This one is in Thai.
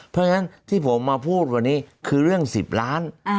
เพราะฉะนั้นที่ผมมาพูดวันนี้คือเรื่อง๑๐ล้าน